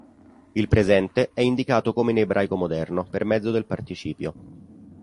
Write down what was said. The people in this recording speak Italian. Il presente è indicato come in ebraico moderno, per mezzo del participio.